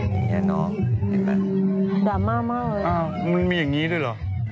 เนี่ยเนาะเห็นป่ะดราม่ามากเลยอ่ามันมีอย่างนี้ด้วยเหรอ